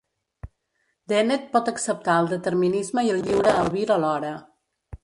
Dennett pot acceptar el determinisme i el lliure albir alhora.